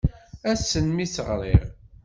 Ass-n mi tt-ɣriɣ.